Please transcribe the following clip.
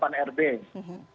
dan ini juga melibatkan asn